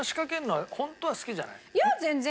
いや全然。